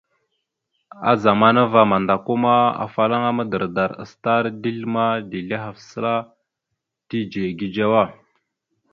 A zamana ava mandako, afalaŋa madardar acətara dezl ma, dezl ahaf səla tidze gidzewa.